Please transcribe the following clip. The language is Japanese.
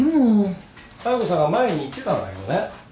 妙子さんが前に言ってたんだけどね